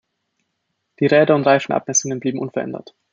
Die Räder- und Reifen-Abmessungen blieben unverändert.